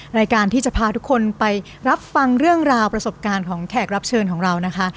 รายการที่จะพาทุกคนไปรับฟังเรื่องราวประสบการณ์ของแขกรับเชิญของเรานะคะ